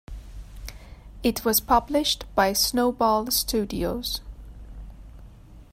It was published by Snowball Studios.